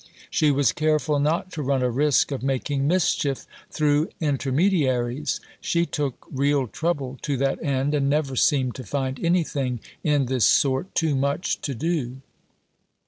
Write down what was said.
She was careful not to run a risk of making mischief through intermediaries. She took real trouble to that end, and never seemed to find anything in this sort too much to do.